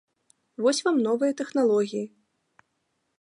Вось вам новыя тэхналогіі!